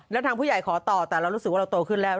แล้วทางผู้ใหญ่ขอต่อแต่เรารู้สึกว่าเราโตขึ้นแล้ว